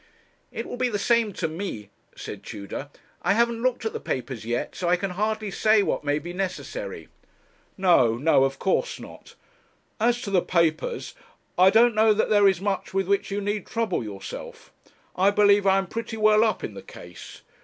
'It will be the same to me,' said Tudor; 'I haven't looked at the papers yet, so I can hardly say what may be necessary.' 'No, no; of course not. As to the papers, I don't know that there is much with which you need trouble yourself. I believe I am pretty well up in the case.